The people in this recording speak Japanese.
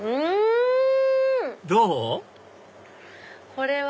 これは！